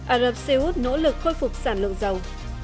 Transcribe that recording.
ả rập xê út nỗ lực khôi phục sản lượng dầu